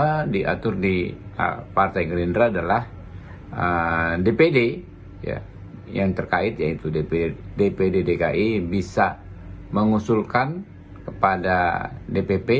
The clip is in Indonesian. yang diatur di partai gerindra adalah dpd yang terkait yaitu dpd dki bisa mengusulkan kepada dpp